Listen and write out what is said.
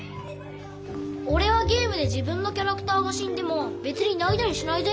おれはゲームで自分のキャラクターがしんでもべつにないたりしないぜ。なあ？